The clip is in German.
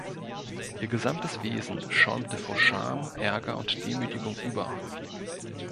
Ihr gesamtes Wesen schäumte vor Scham, Ärger und Demütigung über.